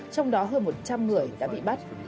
trong đó hơn một trăm linh người đã bị bắt